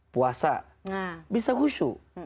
puasa bisa khusyuk